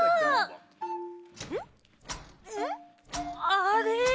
あれ？